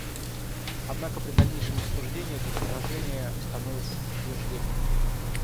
Однако при дальнейшем рассуждении это возражение становится подтверждением.